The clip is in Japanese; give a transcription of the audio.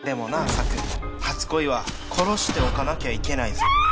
サク初恋は殺しておかなきゃいけないぞ。